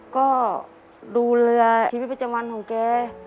ก็ดูเรือชีวิตประจำวันของแก